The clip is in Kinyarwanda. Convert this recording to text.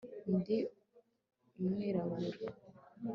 ndi umwirabura